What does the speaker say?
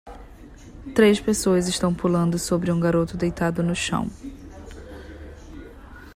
Três pessoas estão pulando sobre um garoto deitado no chão.